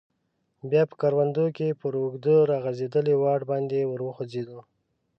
بیا په کروندو کې پر اوږده راغځیدلي واټ باندې ور وخوځیدو.